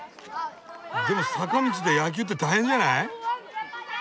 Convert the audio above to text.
でも坂道で野球って大変じゃない？